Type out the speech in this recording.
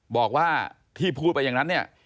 บอกว่าที่พูดไปอย่างนั้นเนี่ย